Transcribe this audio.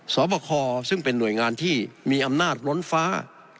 สอบคอซึ่งเป็นหน่วยงานที่มีอำนาจล้นฟ้า